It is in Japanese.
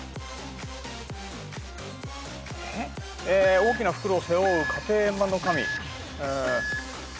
「大きな袋を背負う家庭円満の神」